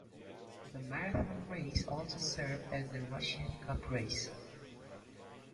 The marathon race also served as the Russian Cup race.